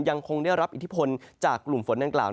ยังคงได้รับอิทธิพลจากกลุ่มฝนดังกล่าว